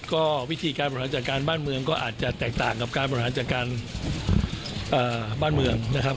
ก็วิธีการบริหารจัดการบ้านเมืองก็อาจจะแตกต่างกับการบริหารจัดการบ้านเมืองนะครับ